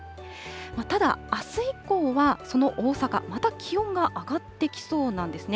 ただ、あす以降はその大阪、また気温が上がってきそうなんですね。